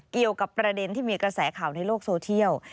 เกี่ยวกับประเด็นที่มีกระแสข่าวในโลกโซเทียล